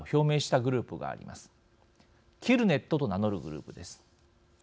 キルネットと名乗るグループです。